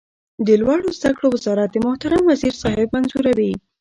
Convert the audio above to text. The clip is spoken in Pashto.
د لوړو زده کړو وزارت د محترم وزیر صاحب منظوري